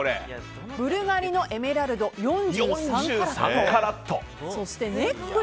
ブルガリのエメラルド４３カラット。